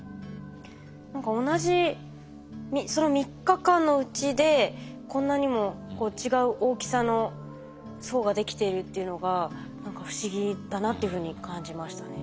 何か同じその３日間のうちでこんなにも違う大きさの層ができているっていうのが何か不思議だなっていうふうに感じましたね。